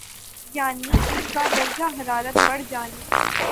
یعنی ان کا درجہ حرارت بڑھ جانے